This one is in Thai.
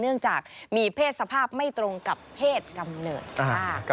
เนื่องจากมีเพศสภาพไม่ตรงกับเพศกำเนิดค่ะ